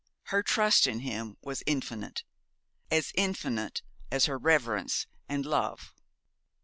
Her trust in him was infinite as infinite as her reverence and love.